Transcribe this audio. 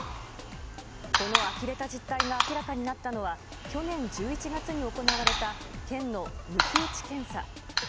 このあきれた実態が明らかになったのは、去年１１月に行われた県の抜き打ち検査。